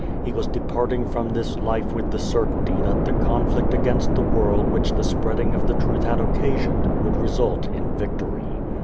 He was departing from this life with the certainty that the conflict against the world which the spreading of the truth had occasioned would result in victory.